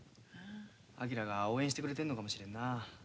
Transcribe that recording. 昭が応援してくれてんのかもしれんな。